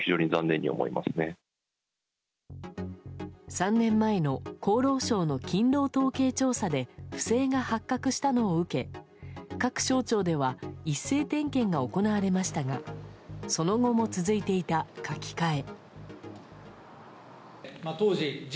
３年前の厚労省の勤労統計調査で不正が発覚したのを受け各省庁で一斉点検が行われましたがその後も続いていた、書き換え。